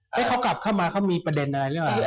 ให้เขากลับเข้ามาเขามีประเด็นอะไรหรือเปล่า